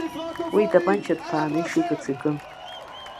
Уи итапанча ҭԥааны ишикыц икын.